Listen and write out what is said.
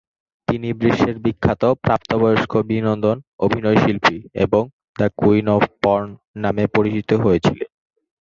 তিনি বিশ্বের বিখ্যাত প্রাপ্তবয়স্ক বিনোদন অভিনয়শিল্পী এবং "দ্য কুইন অব পর্ন" নামে পরিচিত হয়েছেন।